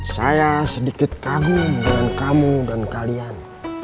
saya sedikit kagum dengan kamu dan kalian